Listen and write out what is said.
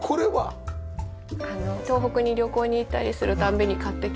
東北に旅行に行ったりする度に買ってきて。